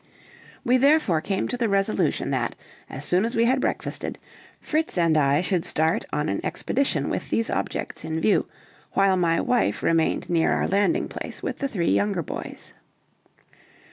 We therefore came to the resolution that, as soon as we had breakfasted, Fritz and I should start on an expedition with these objects in view, while my wife remained near our landing place with the three younger boys.